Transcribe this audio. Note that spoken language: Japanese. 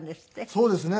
そうですね。